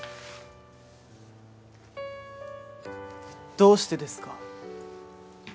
どうしてですか？